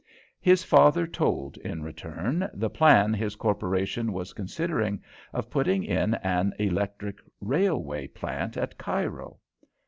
His father told, in turn, the plan his corporation was considering, of putting in an electric railway plant at Cairo.